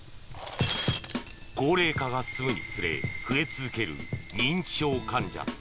高齢化が進むにつれ増え続ける認知症患者。